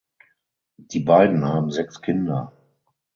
Die beiden haben sechs Kinder.